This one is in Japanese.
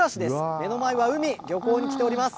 目の前は海漁港に来ております。